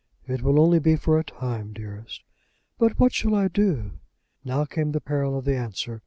"It will only be for a time, dearest." "But what shall I do?" Now came the peril of the answer.